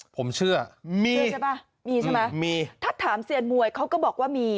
ผมเชื่อมีถ้าถามเซียนมวยเขาก็บอกว่ามี